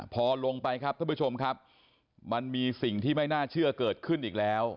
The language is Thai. พอลงไปครับท่านผู้ชมครับมันมีสิ่งที่ไม่น่าเชื่อเกิดขึ้นอีกแล้ว